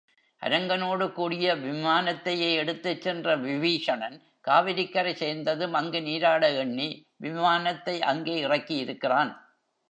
அரங்கனோடு கூடிய விமானத்தையே எடுத்துச் சென்ற விபீஷணன் காவிரிக்கரை சேர்ந்ததும் அங்கு நீராட எண்ணி விமானத்தை அங்கே இறக்கியிருக்கிறான்.